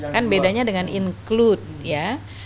kan bedanya dengan include ya